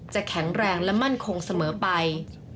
แข็งแรงและมั่นคงเสมอไป